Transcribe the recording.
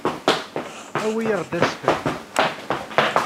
Awi-yaɣ-d asefru.